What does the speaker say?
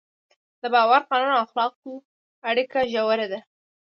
د باور، قانون او اخلاقو اړیکه ژوره ده.